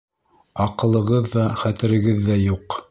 Аҡылығыҙ ҙа, хәтерегеҙ ҙә юҡ.